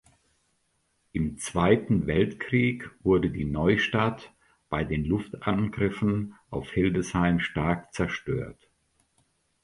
Im Zweiten Weltkrieg wurde die Neustadt bei den Luftangriffen auf Hildesheim stark zerstört.